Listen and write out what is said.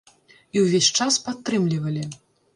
І ўвесь час падтрымлівалі.